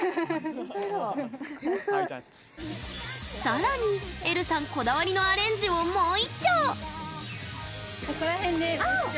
さらに、えるさんこだわりのアレンジをもう一丁！